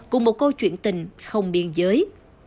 cùng một câu chuyện tình không biên giới